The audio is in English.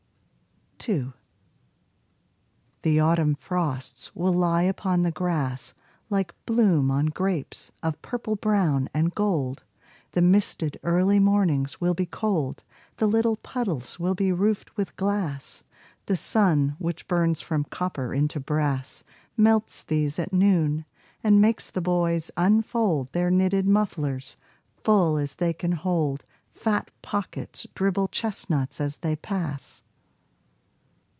2 The autumn frosts will lie upon the grass Like bloom on grapes of purple brown and gold. The misted early mornings will be cold; The little puddles will be roofed with glass. The sun, which burns from copper into brass, Melts these at noon, and makes the boys unfold Their knitted mufflers; full as they can hold, Fat pockets dribble chestnuts as they pass.